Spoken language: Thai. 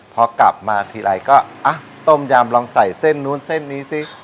พอกลับมาทีไรก็ต้มยำลองใส่เส้นนู้นเส้นนี้สิ